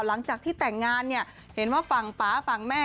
หลังจากที่แต่งงานเนี่ยเห็นว่าฝั่งป๊าฝั่งแม่